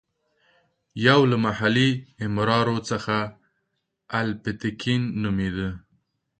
یو له محلي امراوو څخه الپتکین نومېده.